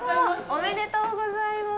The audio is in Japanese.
おめでとうございます。